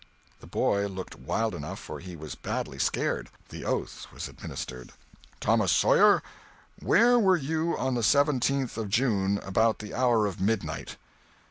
The boy looked wild enough, for he was badly scared. The oath was administered. "Thomas Sawyer, where were you on the seventeenth of June, about the hour of midnight?"